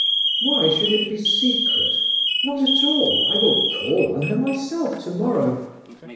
"Why should it be secret? Not at all; I will call on her myself tomorrow."